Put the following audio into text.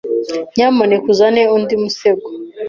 Nyamuneka uzane undi musego?